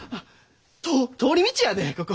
通り道やでここ。